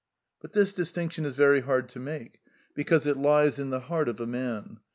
But this distinction is very hard to make, because it lies in the heart of a man.